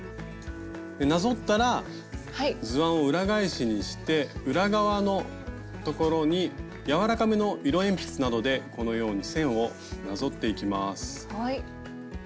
なぞったら図案を裏返しにして裏側のところにやわらかめの色鉛筆などでこのように線をなぞっていきます。